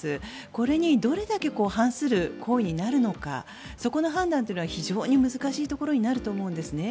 これにどれだけ反する行為になるのかそこの判断というのは非常に難しいところになると思うんですね。